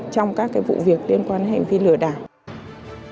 trong các vụ việc liên quan đến hành vi lừa đảo